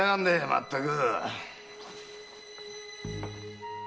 まったく！